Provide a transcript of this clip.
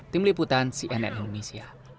tim liputan cnn indonesia